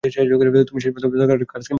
তুমি শেষপর্যন্ত কার্সকে মুক্ত করেই ছাড়লে।